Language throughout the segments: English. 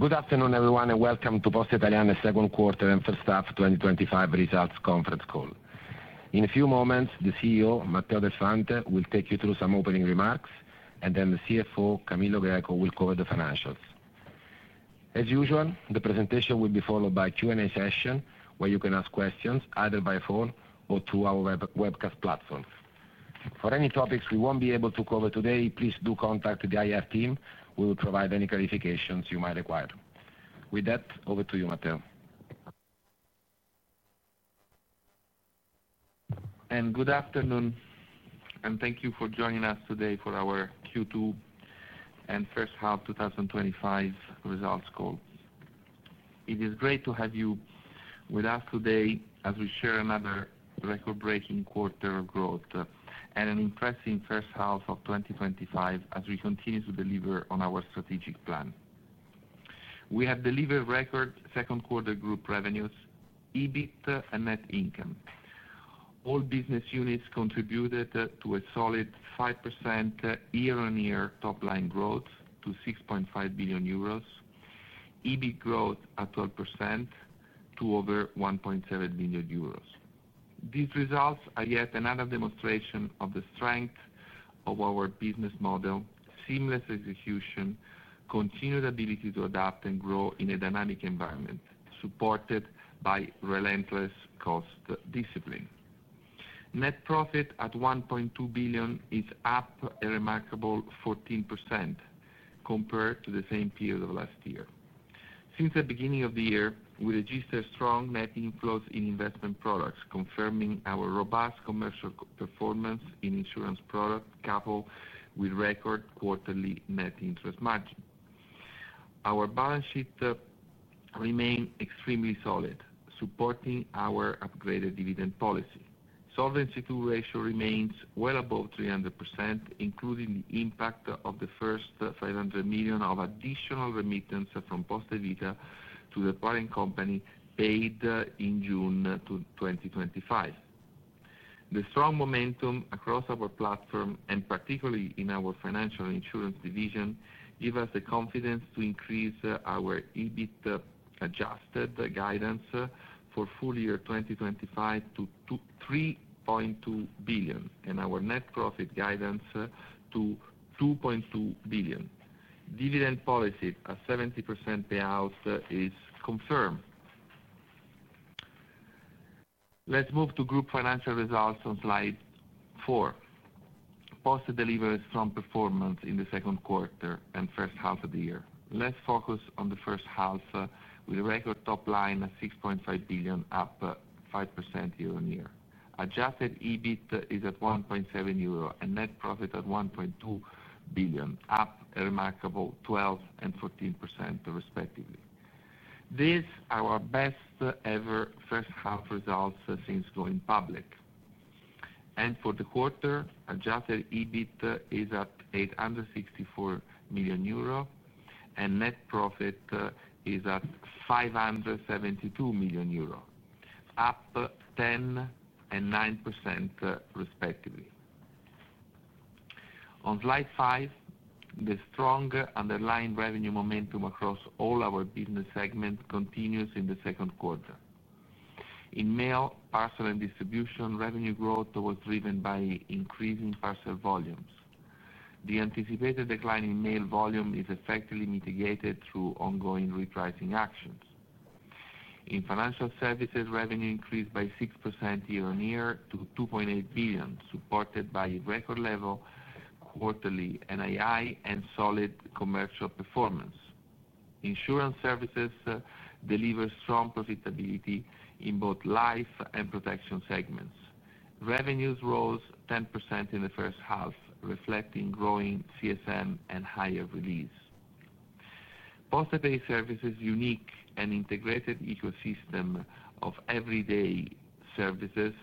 Good afternoon, everyone, and welcome to Poste Italiane's Second Quarter and First Half 2025 Results Conference Call. In a few moments, the CEO, Matteo Del Fante, will take you through some opening remarks, and then the CFO, Camillo Greco, will cover the financials. As usual, the presentation will be followed by a Q&A session where you can ask questions either by phone or through our webcast platform. For any topics we won't be able to cover today, please do contact the IR team. We will provide any clarifications you might require. With that, over to you, Matteo. Good afternoon, and thank you for joining us today for our Q2 and first half 2025 results call. It is great to have you with us today as we share another record-breaking quarter of growth and an impressive first half of 2025 as we continue to deliver on our strategic plan. We have delivered record second quarter group revenues, EBIT, and net income. All business units contributed to a solid 5% year-on-year top-line growth to 6.5 billion euros. EBIT growth at 12% to over 1.7 billion euros. These results are yet another demonstration of the strength of our business model, seamless execution, continued ability to adapt and grow in a dynamic environment supported by relentless cost discipline. Net profit at 1.2 billion is up a remarkable 14% compared to the same period of last year. Since the beginning of the year, we registered strong net inflows in investment products, confirming our robust commercial performance in insurance products coupled with record quarterly net interest margin. Our balance sheet remained extremely solid, supporting our upgraded dividend policy. Solvency II ratio remains well above 300%, including the impact of the first 500 million of additional remittance from Poste Vita to the acquiring company paid in June 2025. The strong momentum across our platform, and particularly in our financial insurance division, gives us the confidence to increase our EBIT-adjusted guidance for full year 2025 to 3.2 billion and our net profit guidance to 2.2 billion. Dividend policy at 70% payout is confirmed. Let's move to group financial results on slide four. Poste delivers strong performance in the second quarter and first half of the year. Let's focus on the first half with a record top line at 6.5 billion, up 5% year-on-year. Adjusted EBIT is at 1.7 billion euro and net profit at 1.2 billion, up a remarkable 12% and 14%, respectively. These are our best-ever first half results since going public. For the quarter, adjusted EBIT is at 864 million euro and net profit is at 572 million euro, up 10% and 9%, respectively. On slide five, the strong underlying revenue momentum across all our business segments continues in the second quarter. In mail, parcel and distribution, revenue growth was driven by increasing parcel volumes. The anticipated decline in mail volume is effectively mitigated through ongoing repricing actions. In financial services, revenue increased by 6% year-on-year to 2.8 billion, supported by record-level quarterly NII and solid commercial performance. Insurance services deliver strong profitability in both life and protection segments. Revenues rose 10% in the first half, reflecting growing CSM and higher release. PostePay Services' unique and integrated ecosystem of everyday services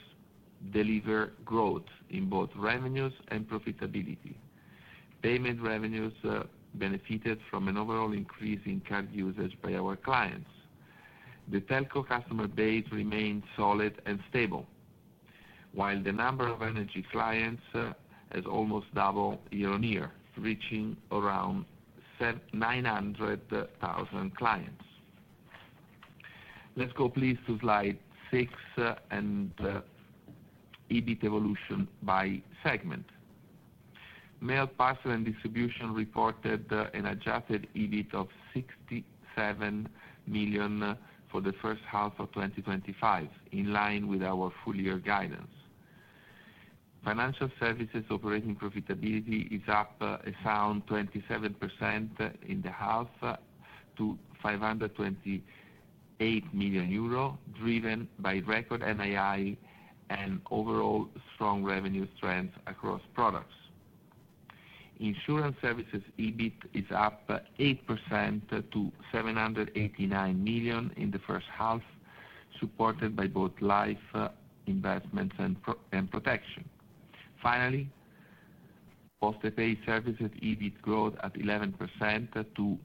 delivers growth in both revenues and profitability. Payment revenues benefited from an overall increase in card usage by our clients. The telco customer base remained solid and stable, while the number of energy clients has almost doubled year-on-year, reaching around 900,000 clients. Let's go please to slide six and EBIT evolution by segment. Mail, parcel, and distribution reported an adjusted EBIT of 67 million for the first half of 2025, in line with our full-year guidance. Financial services' operating profitability is up a sound 27% in the half to 528 million euro, driven by record NII and overall strong revenue strength across products. Insurance services' EBIT is up 8% to 789 million in the first half, supported by both life investments and protection. Finally, postpaid services EBIT growth at 11% to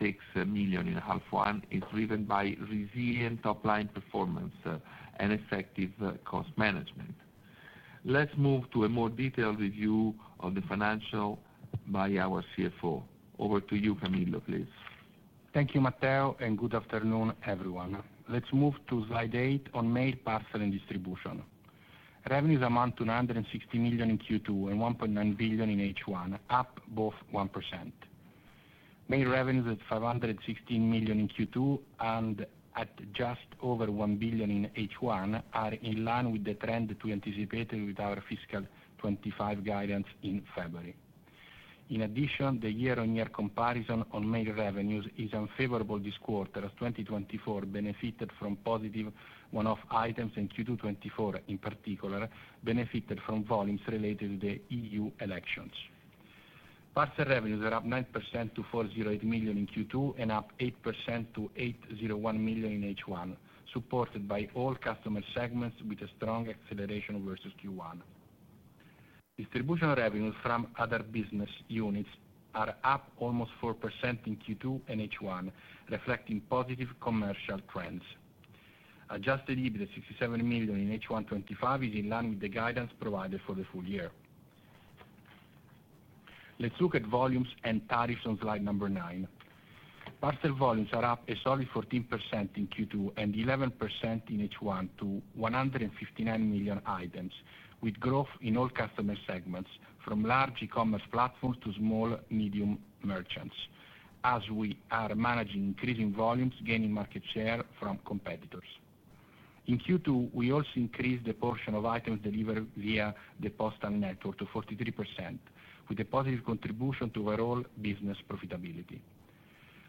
276 million in half one is driven by resilient top-line performance and effective cost management. Let's move to a more detailed review of the financial. By our CFO. Over to you, Camillo, please. Thank you, Matteo, and good afternoon, everyone. Let's move to slide eight on mail, parcel, and distribution. Revenues amount to 160 million in Q2 and 1.9 billion in H1, up both 1%. Mail revenues at 516 million in Q2 and at just over 1 billion in H1 are in line with the trend we anticipated with our fiscal 2025 guidance in February. In addition, the year-on-year comparison on mail revenues is unfavorable this quarter, as 2024 benefited from positive one-off items in Q2 2024, in particular benefited from volumes related to the EU elections. Parcel revenues are up 9% to 408 million in Q2 and up 8% to 801 million in H1, supported by all customer segments with a strong acceleration versus Q1. Distribution revenues from other business units are up almost 4% in Q2 and H1, reflecting positive commercial trends. Adjusted EBIT at 67 million in H1 2025 is in line with the guidance provided for the full year. Let's look at volumes and tariffs on slide number nine. Parcel volumes are up a solid 14% in Q2 and 11% in H1 to 159 million items, with growth in all customer segments, from large e-commerce platforms to small-medium merchants, as we are managing increasing volumes, gaining market share from competitors. In Q2, we also increased the portion of items delivered via the postal network to 43%, with a positive contribution to overall business profitability.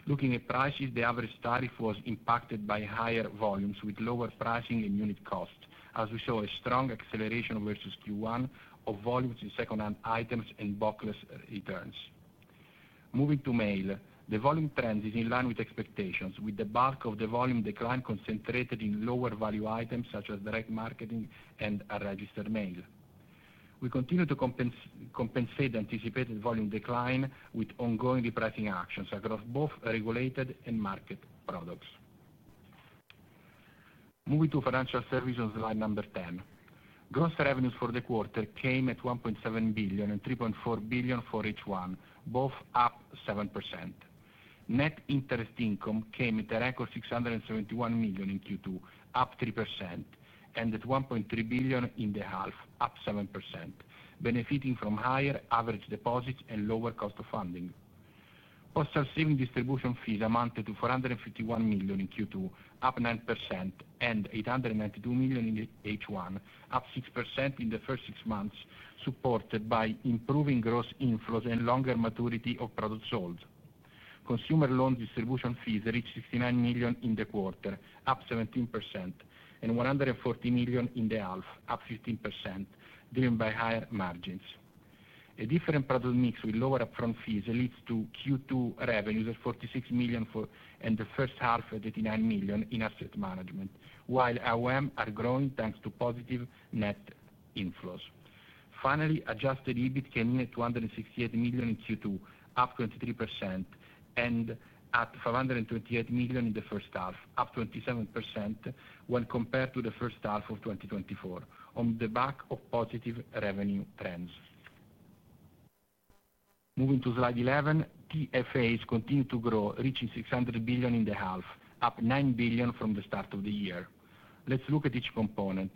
Looking at prices, the average tariff was impacted by higher volumes, with lower pricing and unit cost, as we saw a strong acceleration versus Q1 of volumes in second-hand items and bottleless returns. Moving to mail, the volume trend is in line with expectations, with the bulk of the volume decline concentrated in lower-value items such as direct marketing and unregistered mail. We continue to compensate the anticipated volume decline with ongoing repricing actions across both regulated and market products. Moving to financial services on slide number ten, gross revenues for the quarter came at 1.7 billion and 3.4 billion for H1, both up 7%. Net interest income came at a record 671 million in Q2, up 3%, and at 1.3 billion in the half, up 7%, benefiting from higher average deposits and lower cost of funding. Postal receiving distribution fees amounted to 451 million in Q2, up 9%, and 892 million in H1, up 6% in the first six months, supported by improving gross inflows and longer maturity of products sold. Consumer loan distribution fees reached 69 million in the quarter, up 17%, and 140 million in the half, up 15%, driven by higher margins. A different product mix with lower upfront fees leads to Q2 revenues at 46 million and the first half at 89 million in asset management, while our revenues are growing thanks to positive net inflows. Finally, adjusted EBIT came in at 268 million in Q2, up 23%, and at 528 million in the first half, up 27% when compared to the first half of 2024, on the back of positive revenue trends. Moving to slide 11, TFAs continue to grow, reaching 600 billion in the half, up 9 billion from the start of the year. Let's look at each component.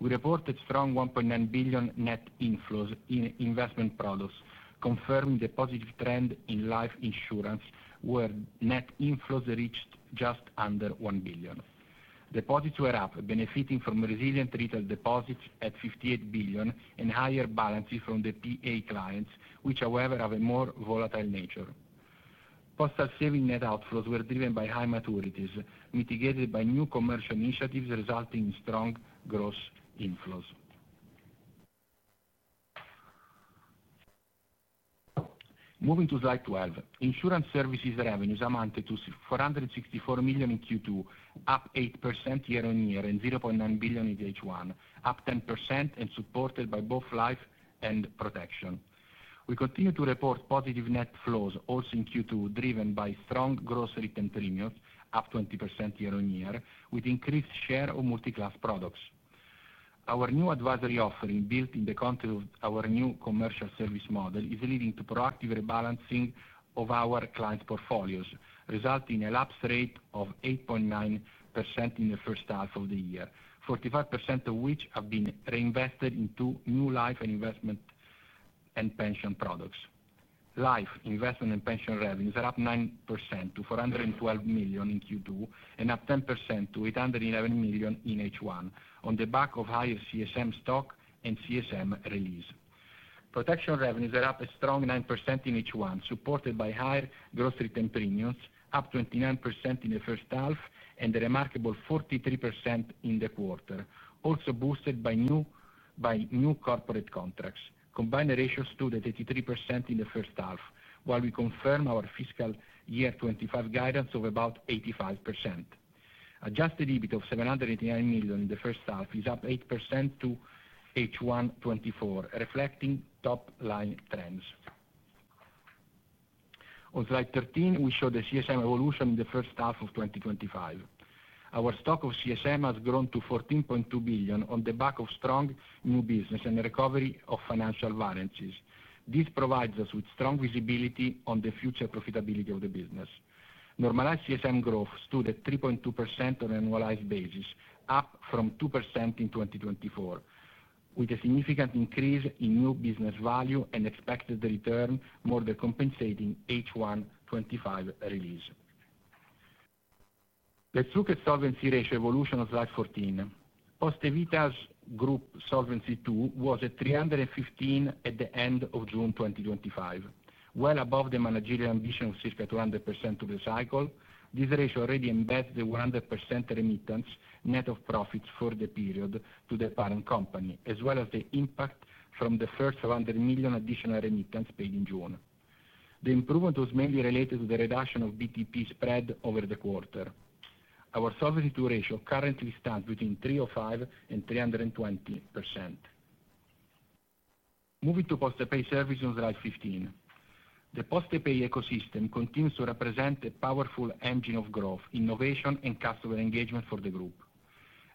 We reported strong 1.9 billion net inflows in investment products, confirming the positive trend in life insurance, where net inflows reached just under 1 billion. Deposits were up, benefiting from resilient retail deposits at 58 billion and higher balances from the PA clients, which, however, have a more volatile nature. Postal receiving net outflows were driven by high maturities, mitigated by new commercial initiatives resulting in strong gross inflows. Moving to slide 12, insurance services revenues amounted to 464 million in Q2, up 8% year-on-year and 0.9 billion in H1, up 10%, and supported by both life and protection. We continue to report positive net flows also in Q2, driven by strong gross return premiums, up 20% year-on-year, with increased share of multi-class products. Our new advisory offering, built in the context of our new commercial service model, is leading to proactive rebalancing of our clients' portfolios, resulting in a lapse rate of 8.9% in the first half of the year, 45% of which have been reinvested into new life and investment and pension products. Life investment and pension revenues are up 9% to 412 million in Q2 and up 10% to 811 million in H1, on the back of higher CSM stock and CSM release. Protection revenues are up a strong 9% in H1, supported by higher gross return premiums, up 29% in the first half and a remarkable 43% in the quarter, also boosted by new corporate contracts. Combined ratio stood at 83% in the first half, while we confirmed our fiscal year 2025 guidance of about 85%. Adjusted EBIT of 789 million in the first half is up 8% to H1 2024, reflecting top-line trends. On slide 13, we show the CSM evolution in the first half of 2025. Our stock of CSM has grown to 14.2 billion on the back of strong new business and the recovery of financial valuances. This provides us with strong visibility on the future profitability of the business. Normalized CSM growth stood at 3.2% on an annualized basis, up from 2% in 2024, with a significant increase in new business value and expected return, more than compensating H125 release. Let's look at solvency ratio evolution on slide 14. Poste Vita's group solvency too was at 315% at the end of June 2025, well above the managerial ambition of circa 200% of the cycle. This ratio already embedded the 100% remittance net of profits for the period to the parent company, as well as the impact from the first 100 million additional remittance paid in June. The improvement was mainly related to the reduction of BTP spread over the quarter. Our solvency II ratio currently stands between 305-320%. Moving to PostePay Services on slide 15. The PostePay ecosystem continues to represent a powerful engine of growth, innovation, and customer engagement for the group.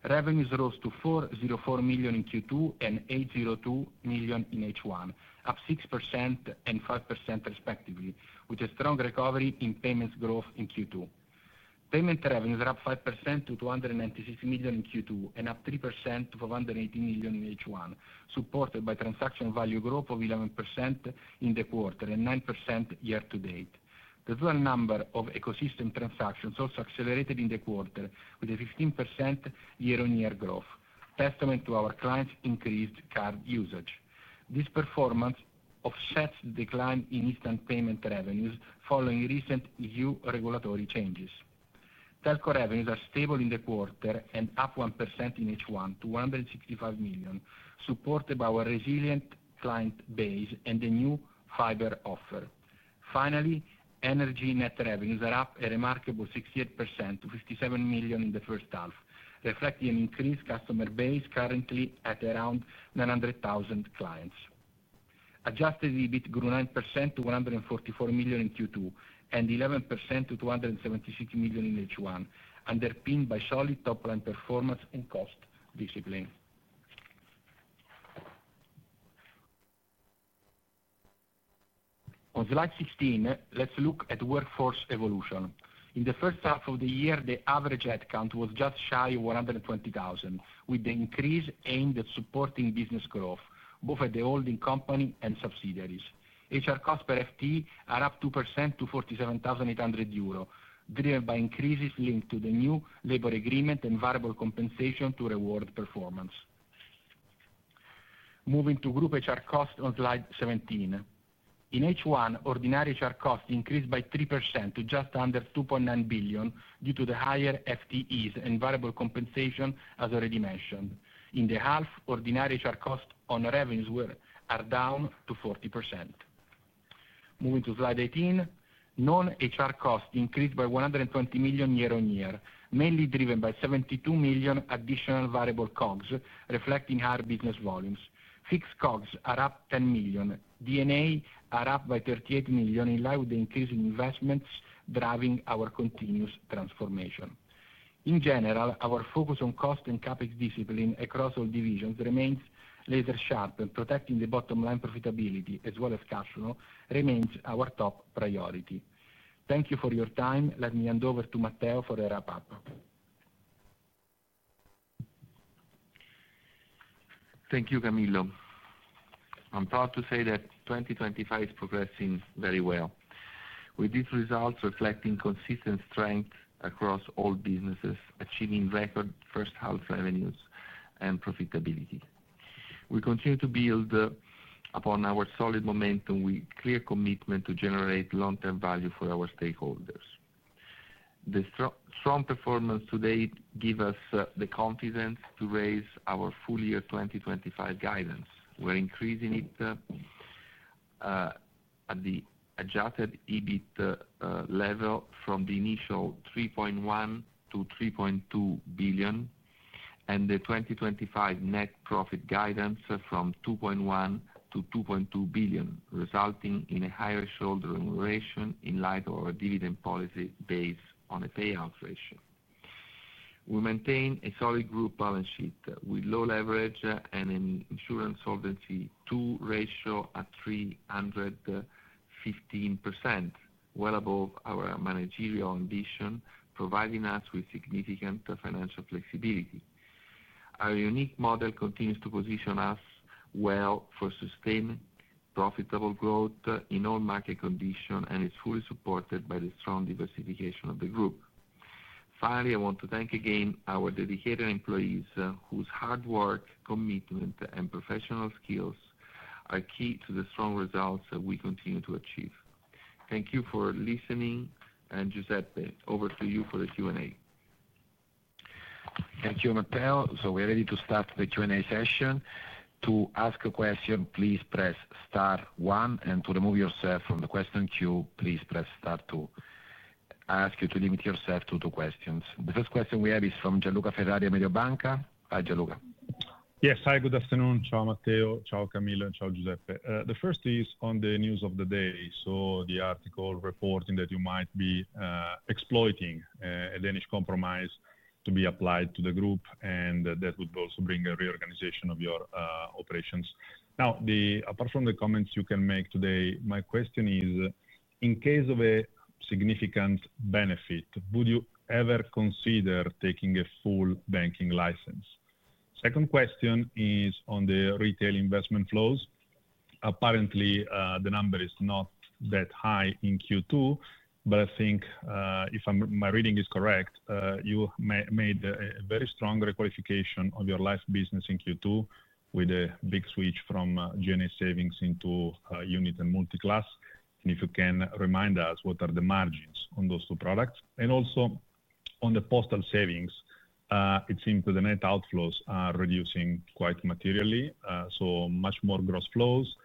Revenues rose to 404 million in Q2 and 802 million in H1, up 6% and 5%, respectively, with a strong recovery in payments growth in Q2. Payment revenues are up 5% to 296 million in Q2 and up 3% to 180 million in H1, supported by transaction value growth of 11% in the quarter and 9% year-to-date. The dual number of ecosystem transactions also accelerated in the quarter, with a 15% year-on-year growth, testament to our clients' increased card usage. This performance offsets the decline in instant payment revenues following recent EU regulatory changes. Telco revenues are stable in the quarter and up 1% in H1 to 165 million, supported by our resilient client base and the new fiber offer. Finally, energy net revenues are up a remarkable 68% to 57 million in the first half, reflecting an increased customer base currently at around 900,000 clients. Adjusted EBIT grew 9% to 144 million in Q2 and 11% to 276 million in H1, underpinned by solid top-line performance and cost discipline. On slide 16, let's look at workforce evolution. In the first half of the year, the average headcount was just shy of 120,000, with the increase aimed at supporting business growth, both at the holding company and subsidiaries. HR cost per FTE are up 2% to 47,800 euro, driven by increases linked to the new labor agreement and variable compensation to reward performance. Moving to group HR cost on slide 17. In H1, ordinary HR cost increased by 3% to just under 2.9 billion due to the higher FTEs and variable compensation, as already mentioned. In the half, ordinary HR cost on revenues are down to 40%. Moving to slide 18, non-HR cost increased by 120 million year-on-year, mainly driven by 72 million additional variable COGS, reflecting higher business volumes. Fixed COGS are up 10 million. D&A are up by 38 million, in line with the increase in investments driving our continuous transformation. In general, our focus on cost and CapEx discipline across all divisions remains laser-sharp, and protecting the bottom line profitability, as well as cash flow, remains our top priority. Thank you for your time. Let me hand over to Matteo for a wrap-up. Thank you, Camillo. I'm proud to say that 2025 is progressing very well, with these results reflecting consistent strength across all businesses, achieving record first-half revenues and profitability. We continue to build upon our solid momentum with clear commitment to generate long-term value for our stakeholders. The strong performance today gives us the confidence to raise our full year 2025 guidance. We're increasing it at the adjusted EBIT level from the initial 3.1 billion to 3.2 billion, and the 2025 net profit guidance from 2.1 billion to 2.2 billion, resulting in a higher shouldering ratio in light of our dividend policy based on a payout ratio. We maintain a solid group balance sheet with low leverage and an insurance Solvency II ratio at 315%, well above our managerial ambition, providing us with significant financial flexibility. Our unique model continues to position us well for sustained profitable growth in all market conditions, and it's fully supported by the strong diversification of the group. Finally, I want to thank again our dedicated employees, whose hard work, commitment, and professional skills are key to the strong results that we continue to achieve. Thank you for listening, and Giuseppe, over to you for the Q&A. Thank you, Matteo. We are ready to start the Q&A session. To ask a question, please press Star one, and to remove yourself from the question queue, please press Star two. I ask you to limit yourself to two questions. The first question we have is from Gianluca Ferrari of Mediobanca. Hi, Gianluca. Yes, hi, good afternoon. Ciao, Matteo. Ciao, Camillo, and ciao, Giuseppe. The first is on the news of the day. The article reporting that you might be exploiting a Danish compromise to be applied to the group, and that would also bring a reorganization of your operations. Now, apart from the comments you can make today, my question is, in case of a significant benefit, would you ever consider taking a full banking license? The second question is on the retail investment flows. Apparently, the number is not that high in Q2, but I think, if my reading is correct, you made a very strong requalification of your life business in Q2 with a big switch from G&A savings into unit and multi-class. If you can remind us, what are the margins on those two products? Also, on the postal savings, it seems that the net outflows are reducing quite materially, so much more gross flows.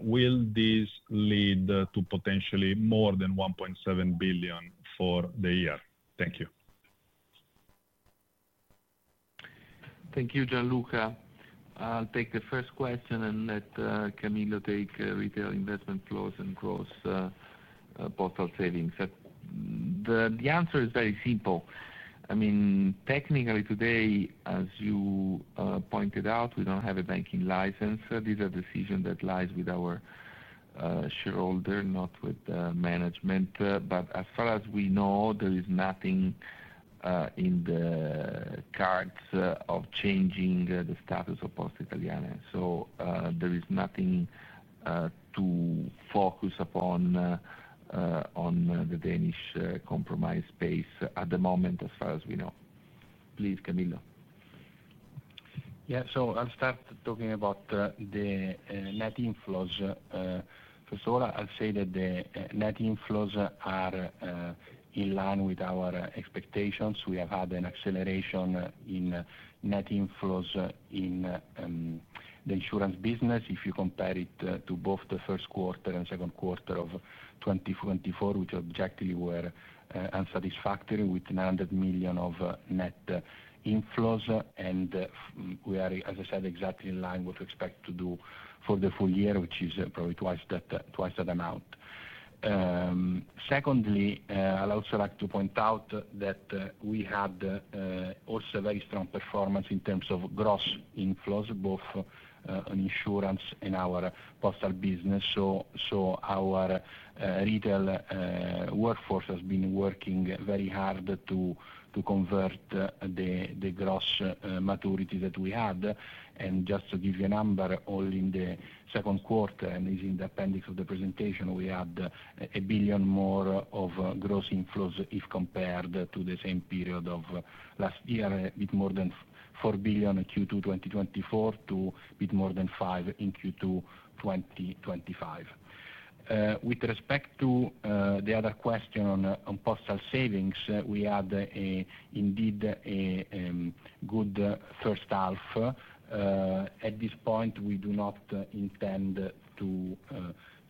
Will this lead to potentially more than 1.7 billion for the year? Thank you. Thank you, Gianluca. I'll take the first question and let Camillo take retail investment flows and gross postal savings. The answer is very simple. I mean, technically today, as you pointed out, we don't have a banking license. This is a decision that lies with our shareholder, not with the management. But as far as we know, there is nothing in the cards of changing the status of Poste Italiane. So there is nothing to focus upon the Danish compromise space at the moment, as far as we know. Please, Camillo. Yeah, so I'll start talking about the net inflows. First of all, I'll say that the net inflows are in line with our expectations. We have had an acceleration in net inflows in the insurance business. If you compare it to both the first quarter and second quarter of 2024, which objectively were unsatisfactory with 900 million of net inflows, and we are, as I said, exactly in line with what we expect to do for the full year, which is probably twice that amount. Secondly, I'd also like to point out that we had also a very strong performance in terms of gross inflows, both on insurance and our postal business. Our retail workforce has been working very hard to convert the gross maturities that we had. Just to give you a number, only in the second quarter, and this is in the appendix of the presentation, we had a billion more of gross inflows if compared to the same period of last year, with more than 4 billion in Q2 2024 to a bit more than 5 billion in Q2 2025. With respect to the other question on postal savings, we had indeed a good first half. At this point, we do not intend to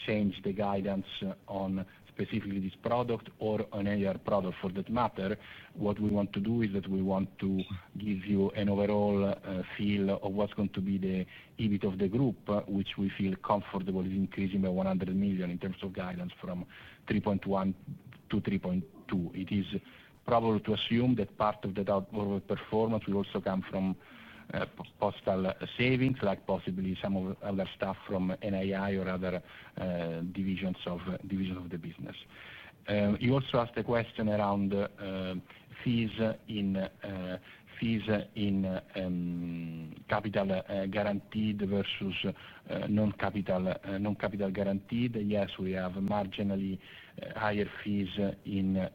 change the guidance on specifically this product or on any other product for that matter. What we want to do is that we want to give you an overall feel of what's going to be the EBIT of the group, which we feel comfortable with increasing by 100 million in terms of guidance from 3.1 billion to 3.2 billion. It is probable to assume that part of that overall performance will also come from postal savings, like possibly some other stuff from NII or other divisions of the business. You also asked a question around fees in capital guaranteed versus non-capital guaranteed. Yes, we have marginally higher fees in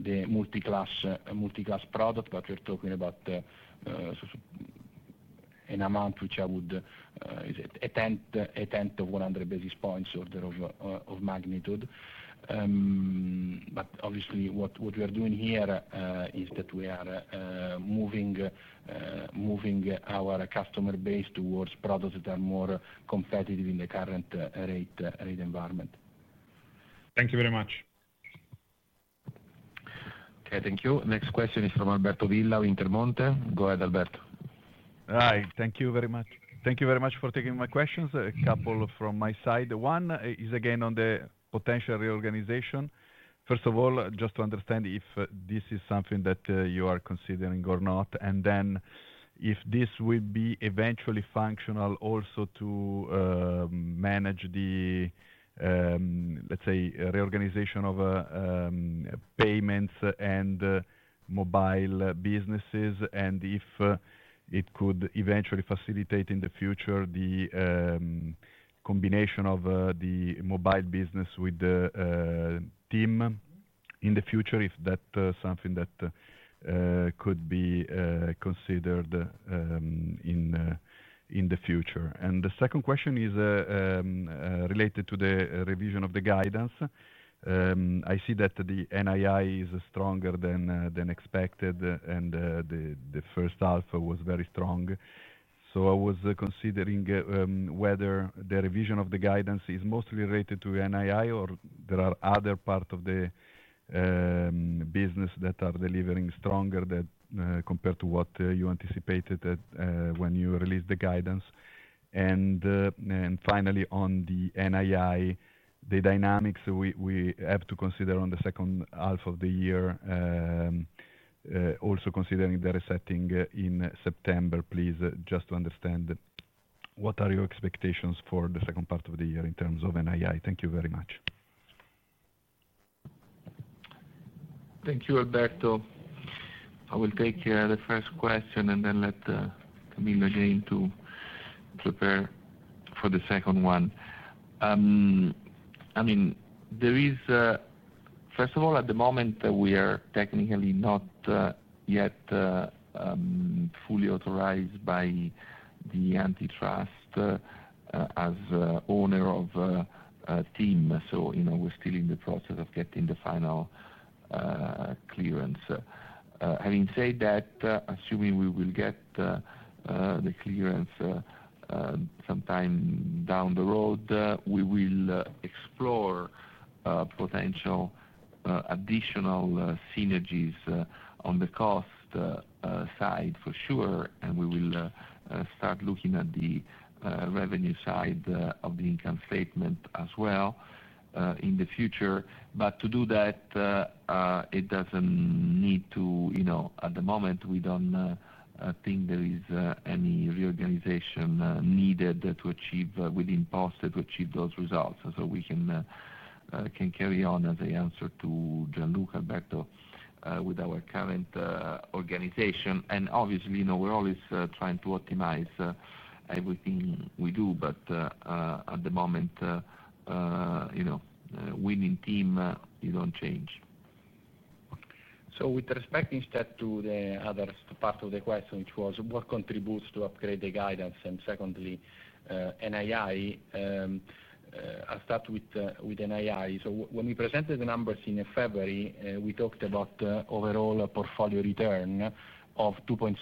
the multi-class product, but we're talking about an amount which I would attend to 100 basis points order of magnitude. Obviously, what we are doing here is that we are moving our customer base towards products that are more competitive in the current rate environment. Thank you very much. Okay, thank you. Next question is from Alberto Villa of Intermonte. Go ahead, Alberto. Hi, thank you very much. Thank you very much for taking my questions. A couple from my side. One is again on the potential reorganization. First of all, just to understand if this is something that you are considering or not, and then if this would be eventually functional also to manage the, let's say, reorganization of payments and mobile businesses, and if it could eventually facilitate in the future the combination of the mobile business with the team in the future, if that's something that could be considered in the future. The second question is related to the revision of the guidance. I see that the NII is stronger than expected, and the first half was very strong. I was considering whether the revision of the guidance is mostly related to NII or there are other parts of the business that are delivering stronger compared to what you anticipated when you released the guidance. Finally, on the NII, the dynamics we have to consider on the second half of the year, also considering the resetting in September. Please, just to understand, what are your expectations for the second part of the year in terms of NII? Thank you very much. Thank you, Alberto. I will take the first question and then let Camillo again prepare for the second one. I mean, first of all, at the moment, we are technically not yet fully authorized by the antitrust as owner of a team. We are still in the process of getting the final clearance. Having said that, assuming we will get the clearance sometime down the road, we will explore potential additional synergies on the cost side for sure, and we will start looking at the revenue side of the income statement as well in the future. To do that, it does not need to, at the moment, we do not think there is any reorganization needed to achieve within Poste to achieve those results. We can carry on as I answered to Gianluca, Alberto, with our current organization. Obviously, we are always trying to optimize everything we do, but at the moment, winning team, you do not change. With respect instead to the other part of the question, which was what contributes to upgrade the guidance, and secondly, NII. I'll start with NII. When we presented the numbers in February, we talked about overall portfolio return of 2.6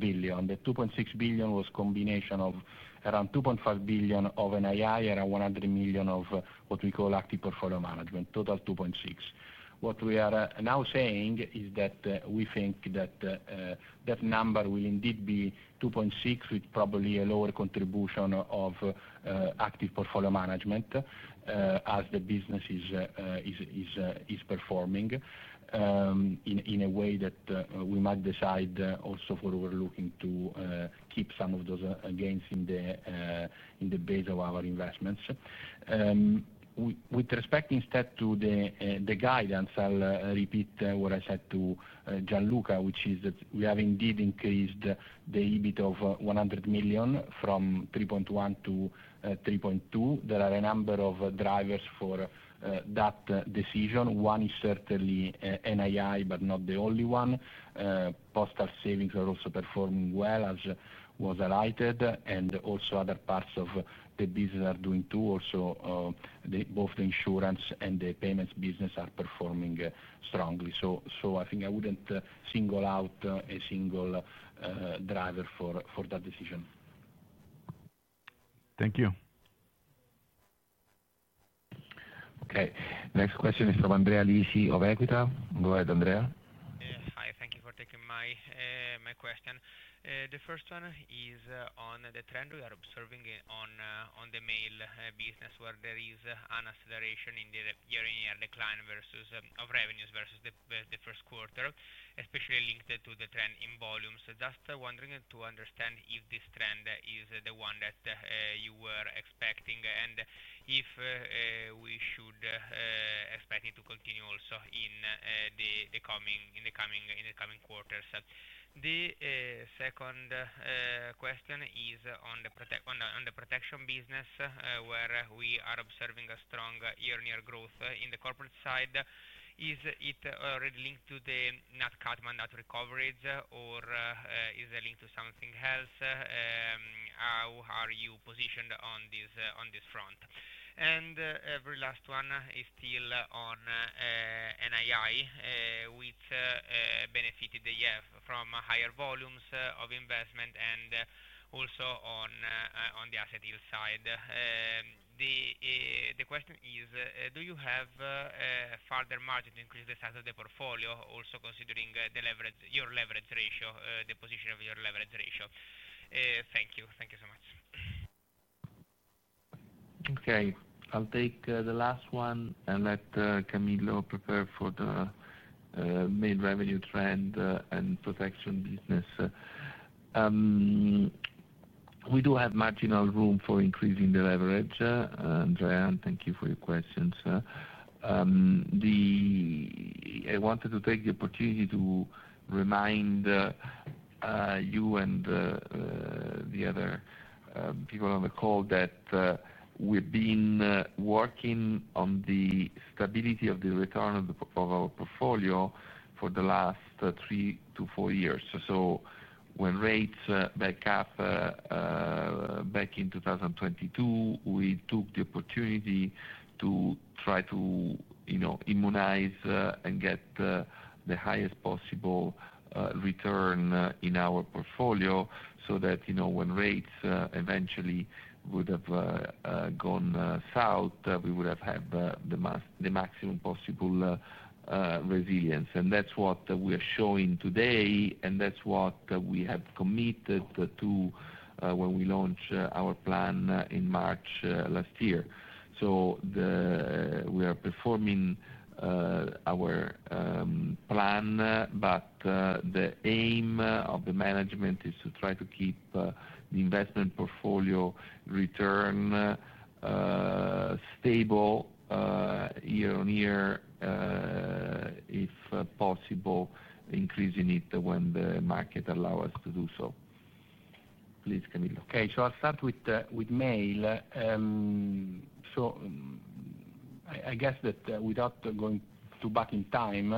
billion. The 2.6 billion was a combination of around 2.5 billion of NII and around 100 million of what we call active portfolio management, total 2.6 billion. What we are now saying is that we think that number will indeed be 2.6 billion with probably a lower contribution of active portfolio management, as the business is performing in a way that we might decide also for overlooking to keep some of those gains in the base of our investments. With respect instead to the guidance, I'll repeat what I said to Gianluca, which is that we have indeed increased the EBIT of 100 million from 3.1 billion to 3.2 billion. There are a number of drivers for that decision. One is certainly NII, but not the only one. Postal savings are also performing well, as was alighted, and also other parts of the business are doing too. Also, both the insurance and the payments business are performing strongly. I think I wouldn't single out a single driver for that decision. Thank you. Okay. Next question is from Andrea Lisi of Equita. Go ahead, Andrea. Hi, thank you for taking my question. The first one is on the trend we are observing on the mail business, where there is an acceleration in the year-on-year decline of revenues versus the first quarter, especially linked to the trend in volumes. Just wondering to understand if this trend is the one that you were expecting and if we should expect it to continue also in the coming quarters. The second question is on the protection business, where we are observing a strong year-on-year growth in the corporate side. Is it already linked to the net cut mandate recoveries, or is it linked to something else? How are you positioned on this front? Every last one is still on NII, which benefited the year from higher volumes of investment and also on the asset yield side. The question is, do you have further margin to increase the size of the portfolio, also considering your leverage ratio, the position of your leverage ratio? Thank you. Thank you so much. Okay. I'll take the last one and let Camillo prepare for the main revenue trend and protection business. We do have marginal room for increasing the leverage. Andrea, thank you for your questions. I wanted to take the opportunity to remind you and the other people on the call that we've been working on the stability of the return of our portfolio for the last three to four years. When rates backed up back in 2022, we took the opportunity to try to immunize and get the highest possible return in our portfolio so that when rates eventually would have gone south, we would have had the maximum possible resilience. That is what we are showing today, and that is what we have committed to when we launched our plan in March last year. We are performing our plan, but the aim of the management is to try to keep the investment portfolio return stable year on year, if possible, increasing it when the market allows us to do so. Please, Camillo. Okay. I'll start with mail. I guess that without going too back in time,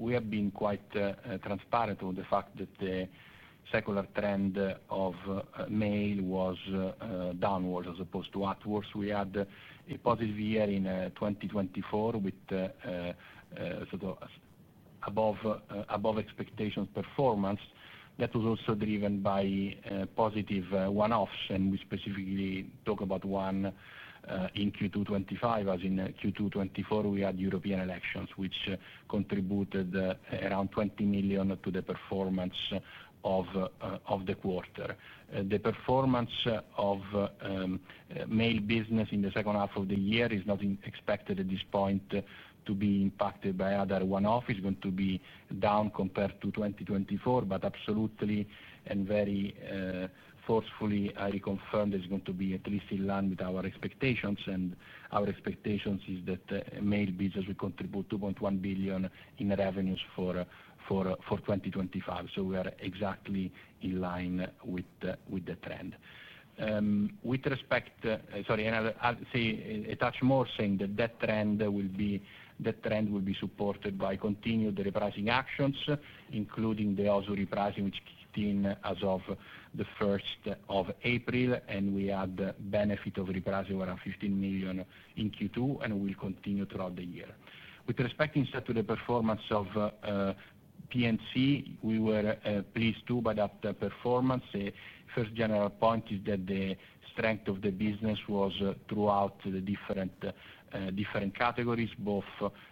we have been quite transparent on the fact that the secular trend of mail was downwards as opposed to upwards. We had a positive year in 2024 with sort of above expectations performance that was also driven by positive one-offs. We specifically talk about one in Q2 2025, as in Q2 2024, we had European elections, which contributed around 20 million to the performance of the quarter. The performance of mail business in the second half of the year is not expected at this point to be impacted by other one-offs. It is going to be down compared to 2024, but absolutely and very forcefully, I reconfirm that it is going to be at least in line with our expectations. Our expectations is that mail business will contribute 2.1 billion in revenues for 2025. We are exactly in line with the trend. With respect, sorry, I'll say a touch more, saying that that trend will be supported by continued repricing actions, including the Aussie repricing, which kicked in as of the 1st of April, and we had the benefit of repricing around 15 million in Q2, and it will continue throughout the year. With respect instead to the performance of PNC, we were pleased too by that performance. The first general point is that the strength of the business was throughout the different categories, both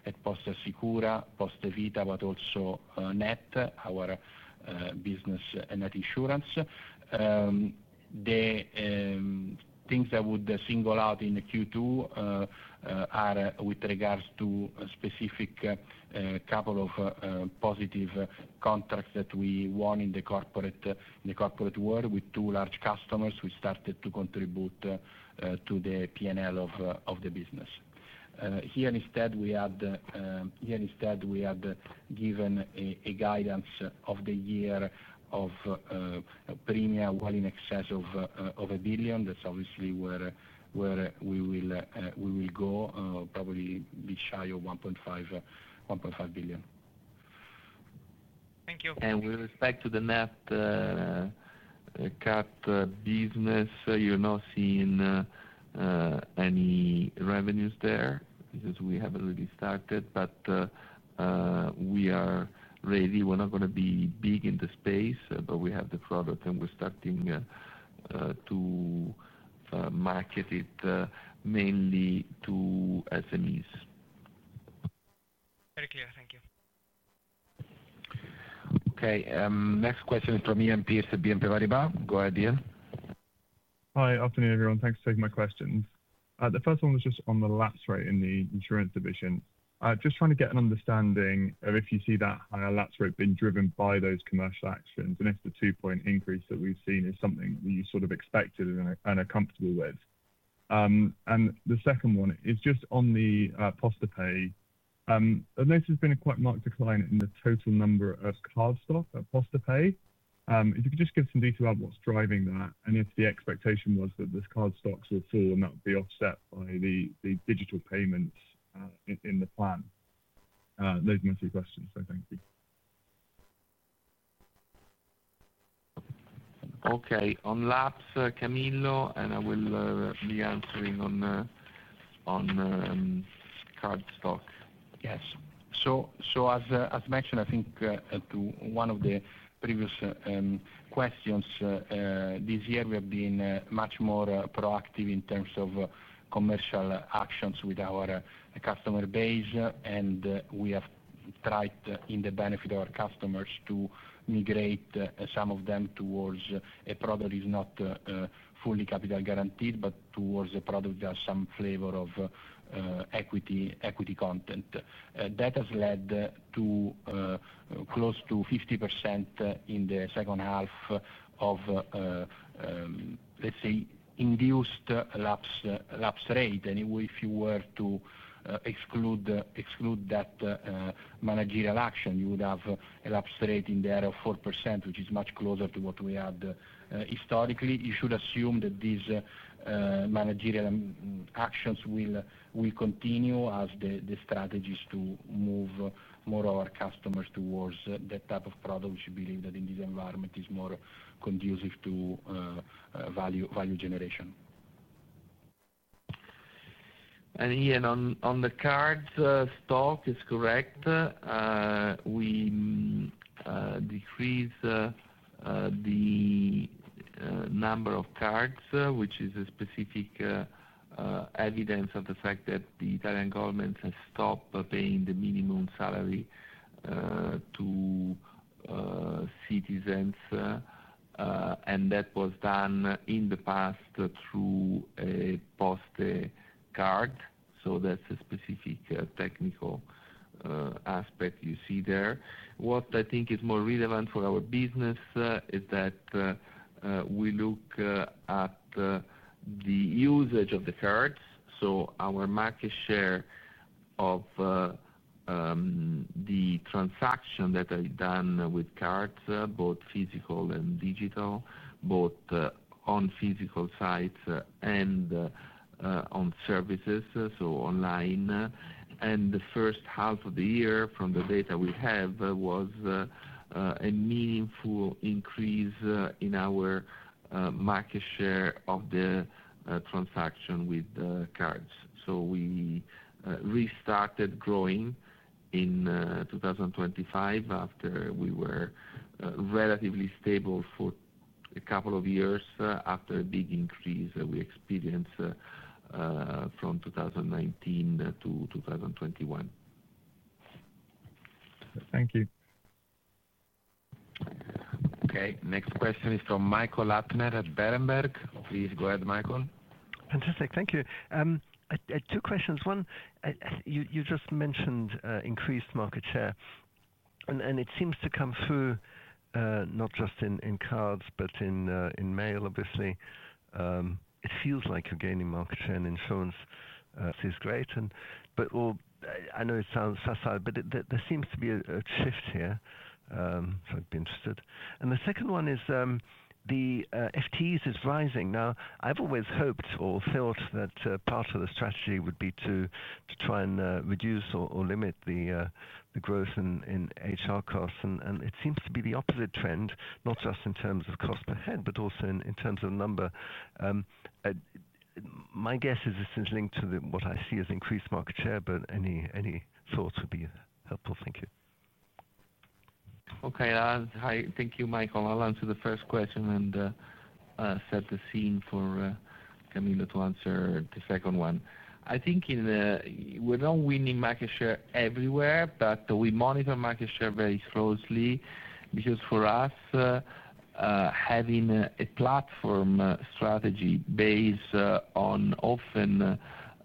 at Poste Sicura, Poste Vita, but also Net, our business net insurance. The things that would single out in Q2 are, with regards to a specific couple of positive contracts that we won in the corporate world with two large customers, we started to contribute to the P&L of the business. Here instead, we had given a guidance of the year of premier well in excess of a billion. That is obviously where we will go, probably be shy of 1.5 billion. Thank you. With respect to the net. Cut business, you're not seeing any revenues there because we haven't really started, but we are ready. We're not going to be big in the space, but we have the product and we're starting to market it mainly to SMEs. Very clear. Thank you. Okay. Next question is from Iain Pearce at BNP Paribas. Go ahead, Iain. Hi. Afternoon, everyone. Thanks for taking my questions. The first one was just on the lapse rate in the insurance division. Just trying to get an understanding of if you see that higher lapse rate being driven by those commercial actions, and if the two-point increase that we've seen is something that you sort of expected and are comfortable with. The second one is just on the Postepay. I've noticed there's been a quite marked decline in the total number of card stock at Postepay. If you could just give some detail about what's driving that, and if the expectation was that the card stocks will fall and that would be offset by the digital payments. In the plan. Those are my three questions. So thank you. Okay. On lats, Camillo, and I will be answering on card stock. Yes. As mentioned, I think to one of the previous questions, this year we have been much more proactive in terms of commercial actions with our customer base, and we have tried in the benefit of our customers to migrate some of them towards a product that is not fully capital guaranteed, but towards a product that has some flavor of equity content. That has led to close to 50% in the second half of, let's say, induced lapse rate. If you were to exclude that managerial action, you would have a lapse rate in the area of 4%, which is much closer to what we had historically. You should assume that these managerial actions will continue as the strategy is to move more of our customers towards that type of product, which we believe that in this environment is more conducive to value generation. Ian, on the card stock, it's correct. We decreased the number of cards, which is a specific evidence of the fact that the Italian government has stopped paying the minimum salary to citizens. That was done in the past through a Poste card. That's a specific technical aspect you see there. What I think is more relevant for our business is that we look at the usage of the cards. Our market share of the transaction that I've done with cards, both physical and digital, both on physical sites and on services, so online. The first half of the year, from the data we have, was a meaningful increase in our market share of the transaction with cards. We restarted growing in 2025 after we were relatively stable for a couple of years after a big increase that we experienced from 2019 to 2021. Thank you. Okay. Next question is from Michael Lapner at Berenberg. Please go ahead, Michael. Fantastic. Thank you. Two questions. One, you just mentioned increased market share. It seems to come through not just in cards, but in mail, obviously. It feels like you're gaining market share in insurance, which is great. I know it sounds facile, but there seems to be a shift here, so I'd be interested. The second one is the FTEs is rising. I've always hoped or felt that part of the strategy would be to try and reduce or limit the growth in HR costs. It seems to be the opposite trend, not just in terms of cost per head, but also in terms of number. My guess is this is linked to what I see as increased market share, but any thoughts would be helpful. Thank you. Okay. Hi. Thank you, Michael. I'll answer the first question and set the scene for Camillo to answer the second one. I think we're not winning market share everywhere, but we monitor market share very closely because for us, having a platform strategy based on often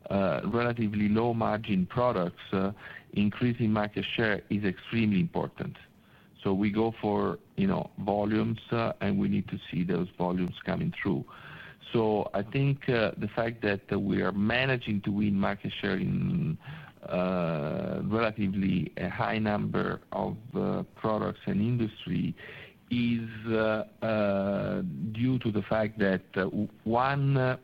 relatively low-margin products, increasing market share is extremely important. We go for volumes, and we need to see those volumes coming through. I think the fact that we are managing to win market share in a relatively high number of products and industry is due to the fact that, one,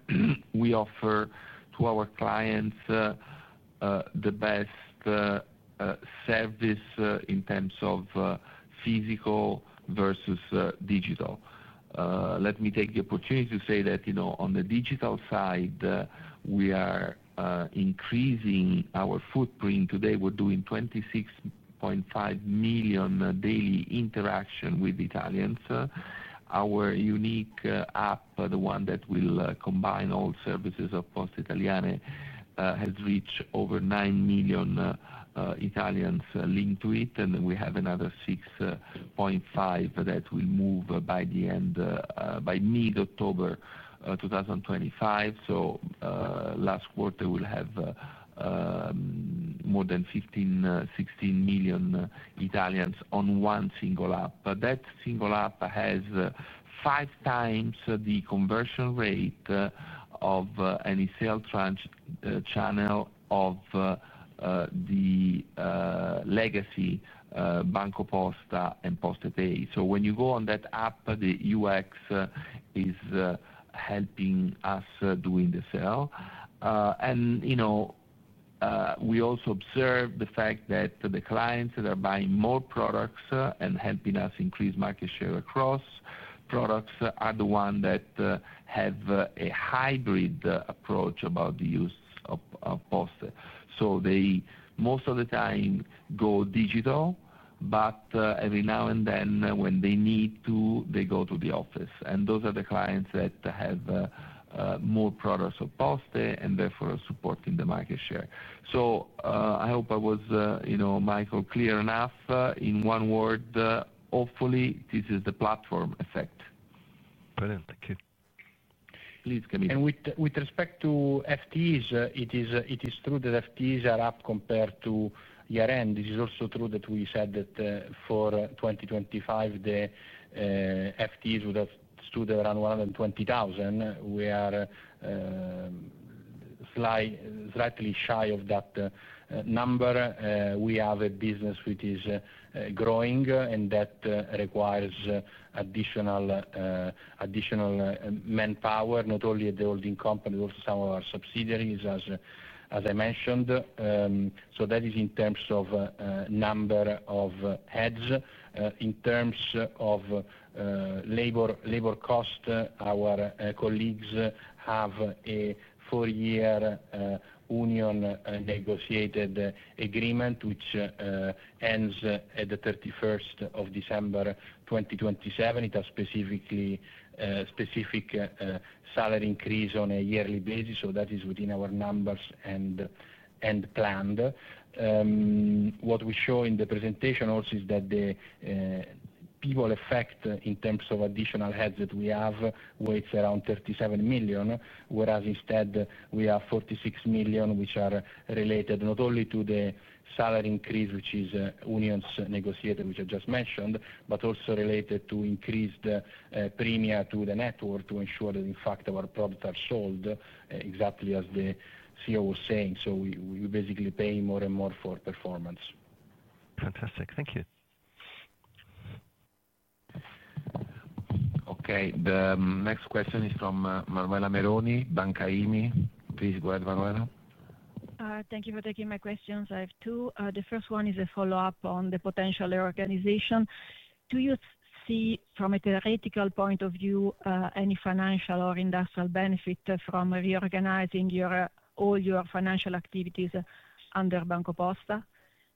we offer to our clients the best service in terms of physical versus digital. Let me take the opportunity to say that on the digital side, we are increasing our footprint. Today, we're doing 26.5 million daily interactions with Italians. Our unique app, the one that will combine all services of Poste Italiane, has reached over 9 million Italians linked to it, and we have another 6.5 million that will move by the end, by mid-October 2025. Last quarter, we'll have more than 15-16 million Italians on one single app. That single app has five times the conversion rate of any sale tranche channel of the legacy BancoPosta and PostePay. When you go on that app, the UX is helping us doing the sale. We also observe the fact that the clients that are buying more products and helping us increase market share across products are the ones that have a hybrid approach about the use of Poste. They most of the time go digital, but every now and then, when they need to, they go to the office. Those are the clients that have more products of Poste and therefore are supporting the market share. I hope I was, Michael, clear enough. In one word, hopefully, this is the platform effect. Brilliant. Thank you. Please, Camillo. With respect to FTEs, it is true that FTEs are up compared to year-end. It is also true that we said that for 2025, the FTEs would have stood at around 120,000. We are slightly shy of that number. We have a business which is growing, and that requires additional manpower, not only at the holding company, but also some of our subsidiaries, as I mentioned. That is in terms of number of heads. In terms of labor cost, our colleagues have a four-year union negotiated agreement, which ends at the 31st of December 2027. It has a specific salary increase on a yearly basis, so that is within our numbers and planned. What we show in the presentation also is that the people effect in terms of additional heads that we have weighs around 37 million, whereas instead we have 46 million, which are related not only to the salary increase, which is unions negotiated, which I just mentioned, but also related to increased premia to the network to ensure that, in fact, our products are sold exactly as the CEO was saying. We basically pay more and more for performance. Fantastic. Thank you. The next question is from Manuela Meroni, Banca IMI. Please go ahead, Manuela. Thank you for taking my questions. I have two. The first one is a follow-up on the potential reorganization. Do you see, from a theoretical point of view, any financial or industrial benefit from reorganizing all your financial activities under BancoPosta?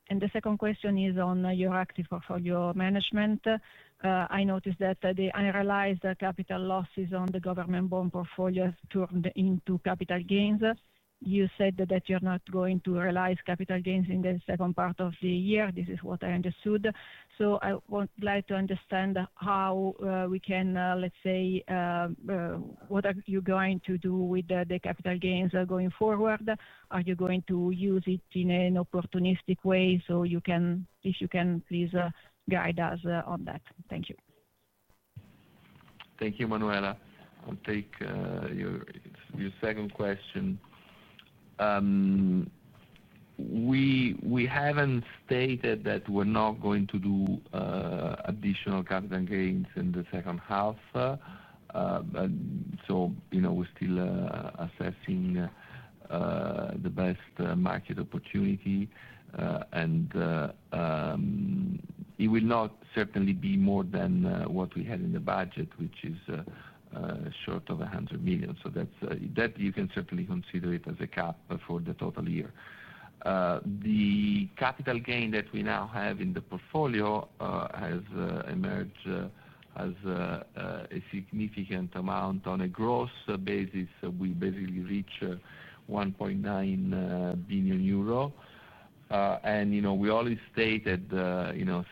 The second question is on your active portfolio management. I noticed that I realized that capital losses on the government bond portfolio have turned into capital gains. You said that you're not going to realize capital gains in the second part of the year. This is what I understood. I would like to understand how we can, let's say. What are you going to do with the capital gains going forward? Are you going to use it in an opportunistic way? If you can, please guide us on that. Thank you. Thank you, Manuela. I'll take your second question. We haven't stated that we're not going to do additional capital gains in the second half. We're still assessing the best market opportunity. It will not certainly be more than what we had in the budget, which is short of 100 million. You can certainly consider it as a cap for the total year. The capital gain that we now have in the portfolio has emerged as a significant amount on a gross basis. We basically reach 1.9 billion euro. We always stated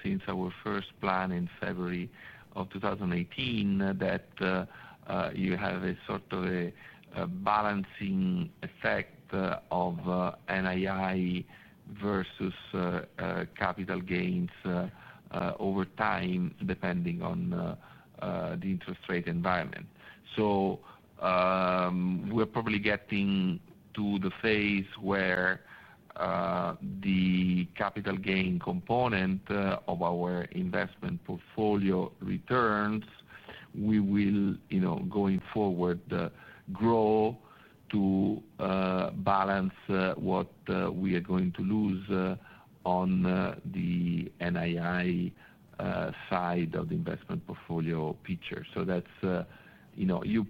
since our first plan in February of 2018 that you have a sort of a balancing effect of NII versus capital gains over time, depending on the interest rate environment. We're probably getting to the phase where the capital gain component of our investment portfolio returns, we will, going forward, grow to balance what we are going to lose on the NII side of the investment portfolio picture. You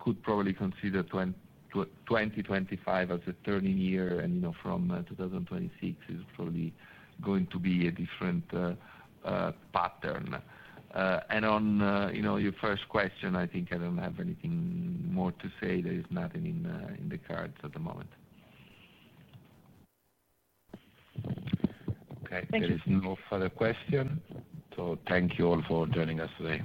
could probably consider 2025 as a turning year, and from 2026, it's probably going to be a different pattern. On your first question, I think I don't have anything more to say. There is nothing in the cards at the moment. There is no further question. Thank you all for joining us today.